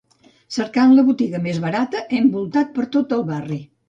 Cercant la botiga més barata, hem voltat tot el barri.